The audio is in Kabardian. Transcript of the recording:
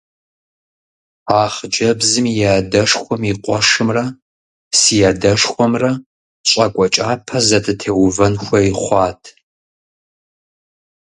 А хъыджэбзым и адэшхуэм и къуэшымрэ си адэшхуэмрэ щӀакӀуэ кӀапэ зэдытеувэн хуей хъуат.